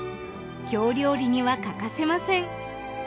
京料理には欠かせません。